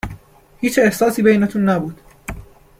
هیچ احساسی بینتون نبود